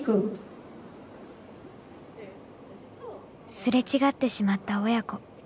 すれ違ってしまった親子。